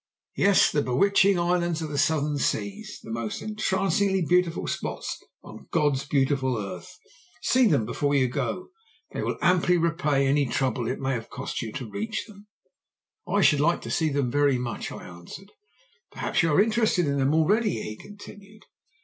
"'Yes; the bewitching islands of the Southern Seas! The most entrancingly beautiful spots on God's beautiful earth! See them before you go. They will amply repay any trouble it may cost you to reach them.' "'I should like to see them very much,' I answered. "'Perhaps you are interested in them already?' he continued.